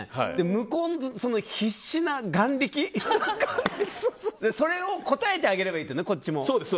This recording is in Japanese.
向こうの必死な眼力それを応えてあげればいいんだよね、こっちも。